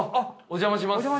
お邪魔します。